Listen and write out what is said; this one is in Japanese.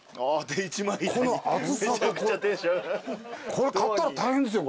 これ買ったら大変ですよ。